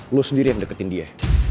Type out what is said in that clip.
lo sendiri yang deketin dia